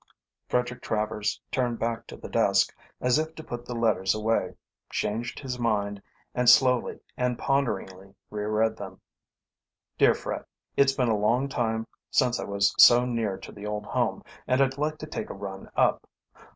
Frederick Travers turned back to the desk, as if to put the letters away, changed his mind, and slowly and ponderingly reread them. "Dear Fred: "It's been a long time since I was so near to the old home, and I'd like to take a run up.